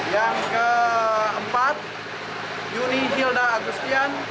yang keempat yuni hilda agustian